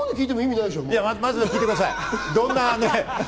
まずは聞いてください。